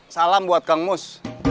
salam buat kang mus